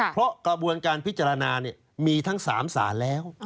เพราะกระบวนการพิจารณามีทั้ง๓ศาลแล้ว